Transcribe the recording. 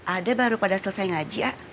ada baru pada selesai ngaji